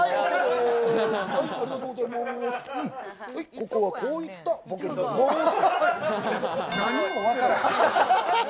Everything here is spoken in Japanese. ここはこういったボケになります。